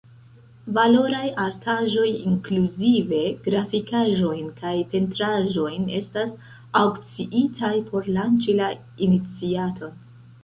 Valoraj artaĵoj – inkluzive grafikaĵojn kaj pentraĵojn – estas aŭkciitaj por lanĉi la iniciaton.